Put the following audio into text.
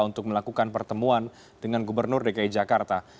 untuk melakukan pertemuan dengan gubernur dki jakarta